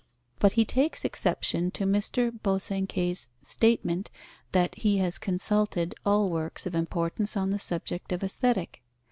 But he takes exception to Mr. Bosanquet's statement that he has consulted all works of importance on the subject of Aesthetic.